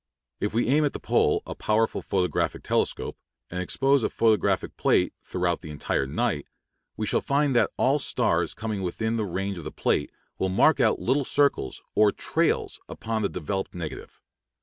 If we aim at the pole a powerful photographic telescope, and expose a photographic plate throughout the entire night, we shall find that all stars coming within the range of the plate will mark out little circles or "trails" upon the developed negative.